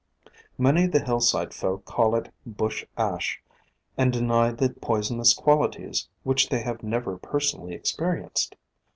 Many of the hillside folk call it Bush Ash, and deny the poisonous qualities which they have never personally experienced.